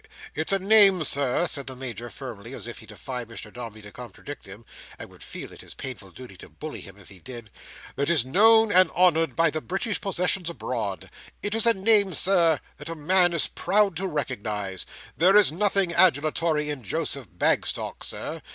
It's a name, Sir," said the Major firmly, as if he defied Mr Dombey to contradict him, and would feel it his painful duty to bully him if he did, "that is known and honoured in the British possessions abroad. It is a name, Sir, that a man is proud to recognise. There is nothing adulatory in Joseph Bagstock, Sir.